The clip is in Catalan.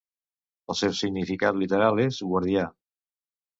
El seu significat literal és guardià.